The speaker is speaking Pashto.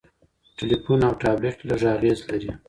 ټیلیفون او ټابلیټ لږ اغېز لري.